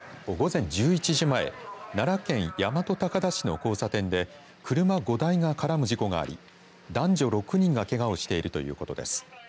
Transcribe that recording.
警察などによりますと午前１１時前奈良県大和高田市の交差点で車５台が絡む事故があり男女６人がけがをしているということです。